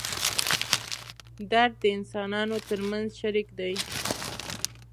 درد د انسانانو تر منځ شریک دی.